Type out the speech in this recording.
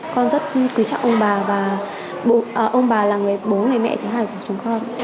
con rất kính trọng ông bà và ông bà là người bố người mẹ thứ hai của chúng con